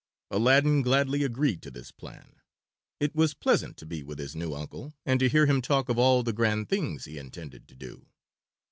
Aladdin gladly agreed to this plan. It was pleasant to be with his new uncle, and to hear him talk of all the grand things he intended to do.